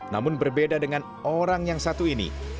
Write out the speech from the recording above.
namun berbeda dengan orang yang satu ini